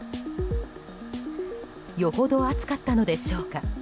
よほど暑かったのでしょうか